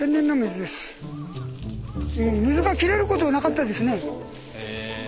水が切れることなかったですね。